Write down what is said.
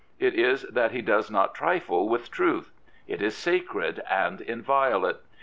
It is that he does not trifle with truth. It is sacred and inviolate.